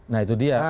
nah itu dia